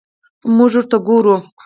موږ ورته ګورو.